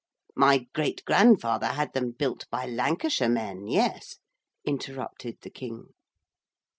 'My great grandfather had them built by Lancashire men, yes,' interrupted the King.